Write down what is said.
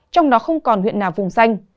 trong đó không còn huyện nào vùng xanh